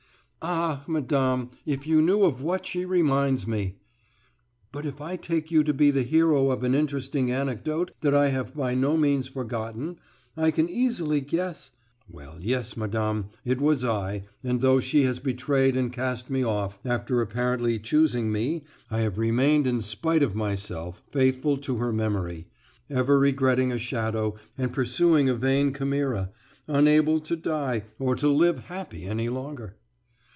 "Ah, madame, if you knew of what she reminds me!" "But if I may take you to be the hero of an interesting anecdote that I have by no means forgotten, I can easily guess " "Well, yes, madame, it was I, and though she has betrayed and cast me off, after apparently choosing me, I have remained in spite of myself faithful to her memory, ever regretting a shadow, and pursuing a vain chimera, unable to die, or to live happy any longer."